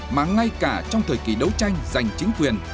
mà ngay cả trong thời kỳ đấu tranh giành chính quyền